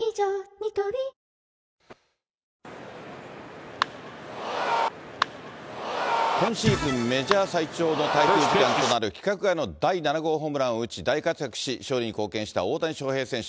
ニトリ今シーズンメジャー最長の滞空時間となる第７号ホームランを打ち、大活躍し、勝利に貢献した大谷翔平選手。